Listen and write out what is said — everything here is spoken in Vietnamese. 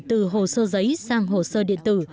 từ hồ sơ giấy sang hồ sơ điện tử